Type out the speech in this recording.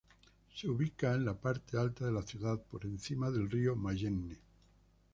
Se ubica en la parte alta de la ciudad, por encima del río Mayenne.